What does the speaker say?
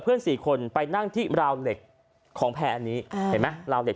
สี่คนไปนั่งที่ราวเหล็กของแพร่อันนี้เห็นไหมราวเหล็